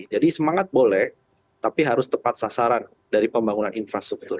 jadi semangat boleh tapi harus tepat sasaran dari pembangunan infrastruktur